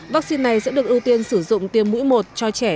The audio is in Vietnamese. vaccine này sẽ được ưu tiên sử dụng tiêm mũi một cho trẻ